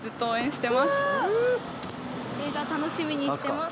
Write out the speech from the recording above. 映画楽しみにしてます